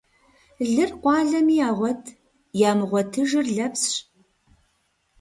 Лыр къуалэми ягъуэт, ямыгъуэтыжыр лэпсщ.